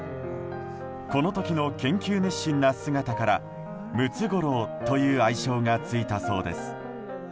この時の研究熱心な姿からムツゴロウという愛称がついたそうです。